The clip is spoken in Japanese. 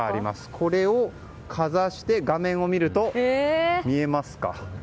これをかざして、画面を見ると見えますか？